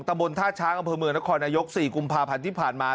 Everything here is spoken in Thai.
บนท่าช้างอำเภอเมืองนครนายก๔กุมภาพันธ์ที่ผ่านมา